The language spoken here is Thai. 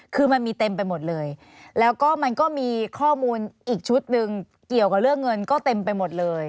คือมันมีเต็มไปหมดเลยแล้วก็มันก็มีข้อมูลอีกชุดหนึ่งเกี่ยวกับเรื่องเงินก็เต็มไปหมดเลย